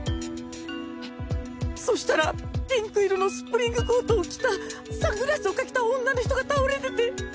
そしたらピンク色のスプリングコートを着たサングラスをかけた女の人が倒れてて。